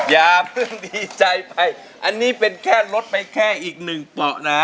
อย่าเพิ่งดีใจไปอันนี้เป็นแค่ลดไปแค่อีกหนึ่งเปาะนะ